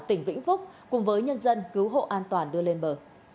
tỉnh vĩnh phúc cùng với nhân dân cứu hộ an toàn đưa lên bờ